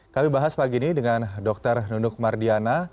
kami bahas pagi ini dengan dr nunuk mardiana